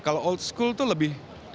kalau old school itu lebih